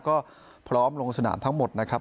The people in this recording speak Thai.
ก็พร้อมลงสนามทั้งหมดนะครับ